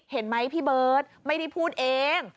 เห็นไหมพี่เบิร์ตไม่ได้พูดเอง